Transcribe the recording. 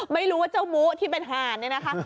ไม่รู้ว่าเจ้าหมูที่เป็นห่าน